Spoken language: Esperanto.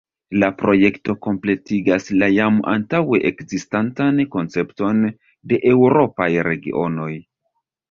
La projekto kompletigas la jam antaŭe ekzistantan koncepton de eŭropaj regionoj.